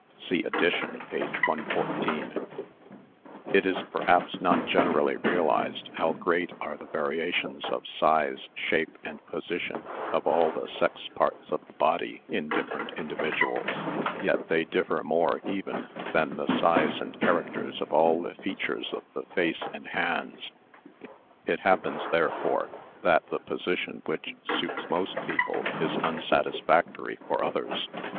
(See Addition, p^jjj^ It IS perhaps not generally realised how great are the variations of size, shape, and position of all the sex parts of the body in different individuals, yet they differ mqre even than the size and characters of all the features of the face and hands. It happens, therefore, that the position which suits most people is unsatis factory for others.